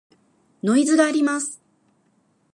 ノイズがあります。